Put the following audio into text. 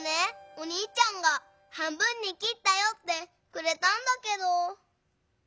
おにいちゃんが「半分にきったよ」ってくれたんだけど。